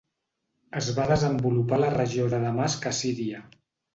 Es va desenvolupar a la regió de Damasc a Síria.